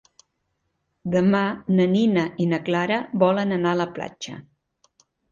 Demà na Nina i na Clara volen anar a la platja.